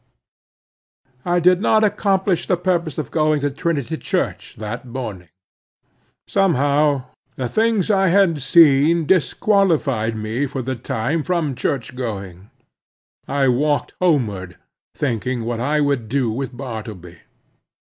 I did not accomplish the purpose of going to Trinity Church that morning. Somehow, the things I had seen disqualified me for the time from church going. I walked homeward, thinking what I would do with Bartleby.